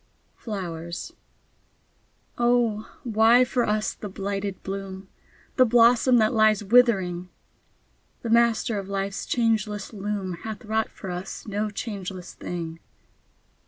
FLOWERS Oh, why for us the blighted bloom! The blossom that lies withering! The Master of Life's changeless loom Hath wrought for us no changeless thing.